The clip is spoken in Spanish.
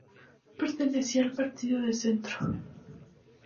Pertenecía al partido de centro.